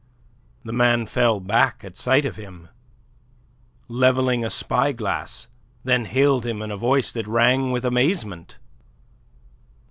The man fell back at sight of him, levelling a spy glass, then hailed him in a voice that rang with amazement.